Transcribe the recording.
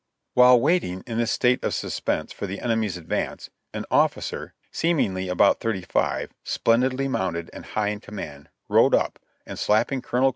While waiting in this state of suspense for the enemy's advance, an officer, seemingly about thirty five, splendidly mounted and high in command, rode up, and slapping Col.